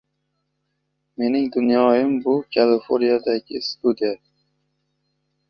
Mening dunyom – bu Kaliforniyadagi studiya.